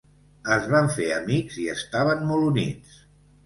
Es van fer amics i estaven molt units.